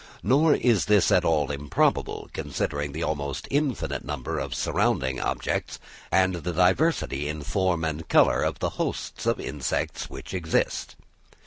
Nor is this at all improbable, considering the almost infinite number of surrounding objects and the diversity in form and colour of the hosts of insects which exist.